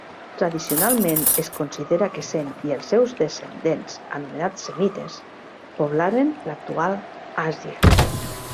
Tradicionalment es considera que Sem i els seus descendents, anomenats semites, poblaren l'actual Àsia.